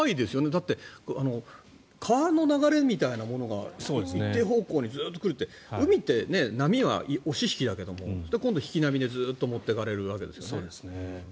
だって、川の流れみたいなものが一定方向にずっと来るって海って波は押し引きだけど今度引き波でずっと持ってかれるわけですね。